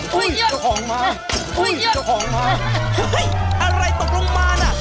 เฮ้ยอะไรตกลงมาน่ะ